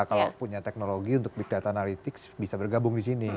kalau punya teknologi untuk big data analytics bisa bergabung di sini